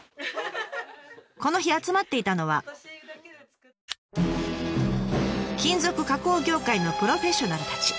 この日集まっていたのは金属加工業界のプロフェッショナルたち。